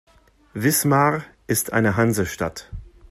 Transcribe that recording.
Wismar ist eine Hansestadt.